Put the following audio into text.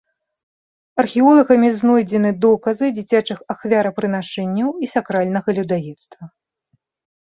Археолагамі знойдзены доказы дзіцячых ахвярапрынашэнняў і сакральнага людаедства.